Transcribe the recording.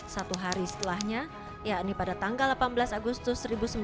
satu hari setelahnya yakni pada tanggal delapan belas agustus seribu sembilan ratus empat puluh lima